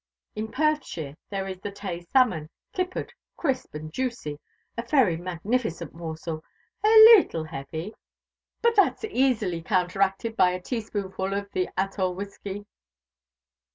In Perthshire there is the Tay salmon, kippered, crisp, and juicy a very magnificent morsel a leettle heavy, but that's easily counteracted by a teaspoonful of the Athole whisky.